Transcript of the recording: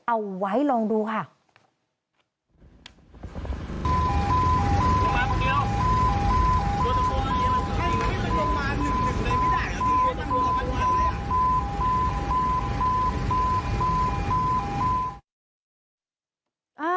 เอาไว้ลองดูค่ะ